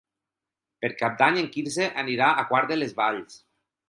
Per Cap d'Any en Quirze anirà a Quart de les Valls.